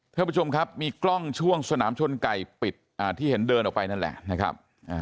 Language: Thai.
ท่านผู้ชมครับมีกล้องช่วงสนามชนไก่ปิดที่เห็นเดินออกไปนั่นแหละนะครับ